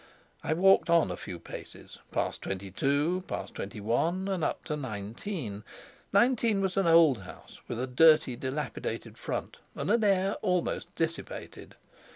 I walked on a few paces, past twenty two, past twenty one and up to nineteen. Nineteen was an old house, with a dirty, dilapidated front and an air almost dissipated.